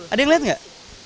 ada yang liat gak